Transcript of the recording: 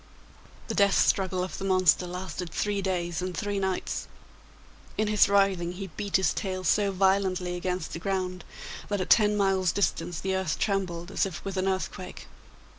The death struggle of the monster lasted three days and three nights; in his writhing he beat his tail so violently against the ground, that at ten miles' distance the earth trembled as if with an earthquake.